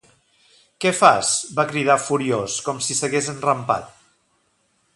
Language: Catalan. Què fas? —va cridar furiós, com si s'hagués enrampat.